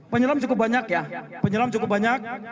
penyelam cukup banyak ya penyelam cukup banyak